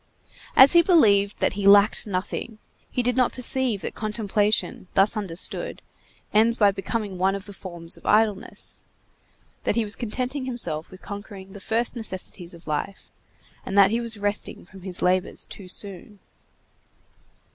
As he believed that he lacked nothing, he did not perceive that contemplation, thus understood, ends by becoming one of the forms of idleness; that he was contenting himself with conquering the first necessities of life, and that he was resting from his labors too soon.